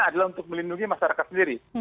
adalah untuk melindungi masyarakat sendiri